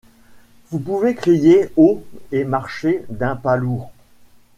Vous pouvez crier haut et marcher d’un pas lourd.